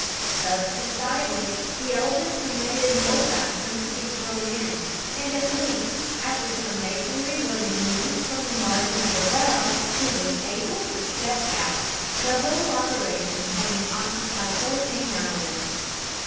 Thus incited, the elephant permitted more fascines to be thrown in; and at length, after some masonry was removed from the margin of the well, he was able to step out the whole operation having occupied fourteen hours.